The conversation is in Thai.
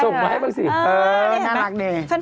ส่งไว้บ้างสิน่ารักเนี่ย